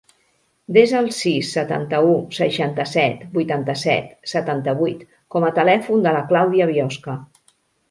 Desa el sis, setanta-u, seixanta-set, vuitanta-set, setanta-vuit com a telèfon de la Clàudia Biosca.